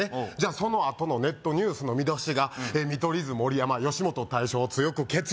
そのあとのネットニュースの見出しが「見取り図・盛山吉本退社を強く決意」